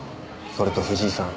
それと藤井さん